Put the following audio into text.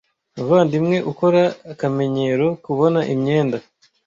muvandimwe ukora akamenyero kuboha imyenda